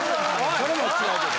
それも違うけど。